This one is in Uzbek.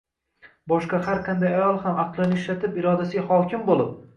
boshqa har qanday ayol ham aqlini ishlatib, irodasiga hokim bo'lib